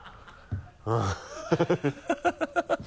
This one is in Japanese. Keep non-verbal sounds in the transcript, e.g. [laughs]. ハハハ [laughs]